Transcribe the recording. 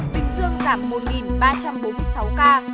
bình dương giảm một ba trăm bốn mươi sáu ca